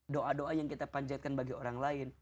doa doa yang kita panjatkan bagi orang lain